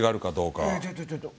いやちょっとちょっと。